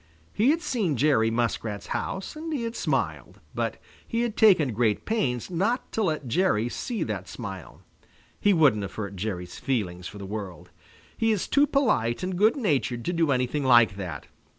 He had seen Jerry Muskrat's house, and he had smiled. But he had taken great pains not to let Jerry see that smile. He wouldn't have hurt Jerry's feelings for the world. He is too polite and good natured to do anything like that.